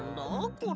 これ。